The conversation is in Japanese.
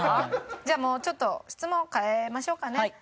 じゃあもうちょっと質問を変えましょうかね。